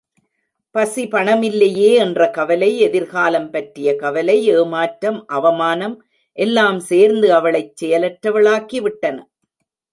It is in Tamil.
பசி பணமில்லையே என்ற கவலை, எதிர்காலம் பற்றிய கவலை, ஏமாற்றம், அவமானம் எல்லம் சேர்ந்து அவளைச் செயலற்றவளாக்கி விட்டன.